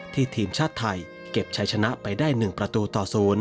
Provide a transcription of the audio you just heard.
ทีมชาติไทยเก็บชัยชนะไปได้๑ประตูต่อ๐